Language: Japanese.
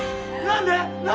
何で？